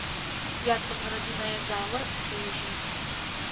Ятӏонэрэ дунэе заор къежьэ.